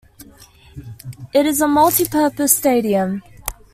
It is a multi-purpose stadium.